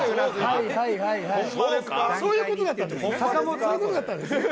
そういう事だったんですね。